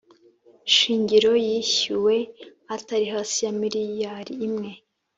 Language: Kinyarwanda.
shingiro yishyuwe itari hasi ya miriyari imwe